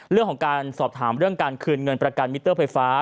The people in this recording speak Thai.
เรื่องของการสอบถามเรื่องการคืนเงินประกันมิเตอร์ไฟฟ้า